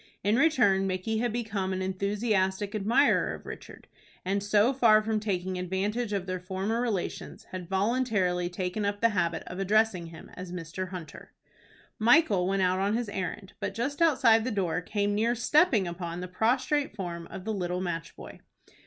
In return, Micky had become an enthusiastic admirer of Richard, and, so far from taking advantage of their former relations, had voluntarily taken up the habit of addressing him as Mr. Hunter. Michael went out on his errand, but just outside the door came near stepping upon the prostrate form of the little match boy.